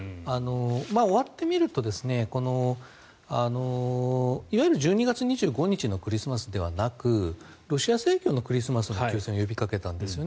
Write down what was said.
終わってみるといわゆる１２月２５日のクリスマスではなくロシア正教のクリスマスまでの休戦を呼びかけたんですよね。